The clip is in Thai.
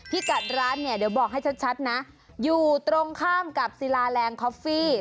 พี่กัดร้านเนี่ยเดี๋ยวบอกให้ชัดนะอยู่ตรงข้ามกับศิลาแรงคอฟฟี่